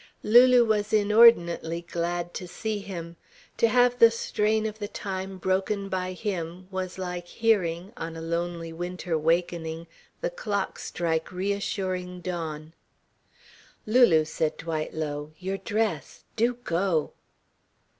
Lulu was inordinately glad to see him. To have the strain of the time broken by him was like hearing, on a lonely whiter wakening, the clock strike reassuring dawn. "Lulu," said Dwight low, "your dress. Do go!"